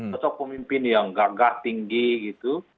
sosok pemimpin yang gagah tinggi gitu